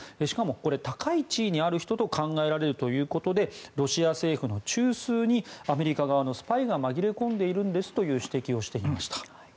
しかも、高い地位にある人と考えられるということでロシア政府の中枢にアメリカ側のスパイが紛れ込んでいるんですという指摘をしていました。